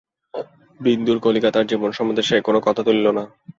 বিন্দুর কলিকাতার জীবন সম্বন্ধে সে কোনো কথা তুলিল না।